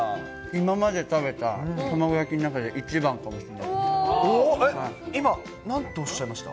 今まで食べた卵焼きの中で一今、なんとおっしゃいました？